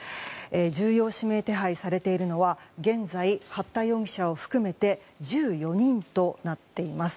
重要指名手配されているのは現在、八田容疑者を含めて１４人となっています。